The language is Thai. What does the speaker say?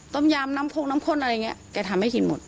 ต้มยามน้ำพร้อมคนอะไรอย่างนี้